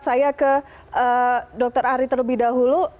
saya ke dr ari terlebih dahulu